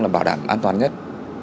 là bảo đảm an toàn nhất